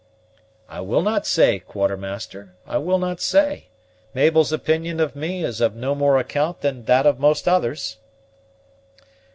"I will not say Quartermaster, I will not say. Mabel's opinion of me is of no more account than that of most others."